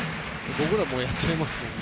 僕らも、やっちゃいますもんね。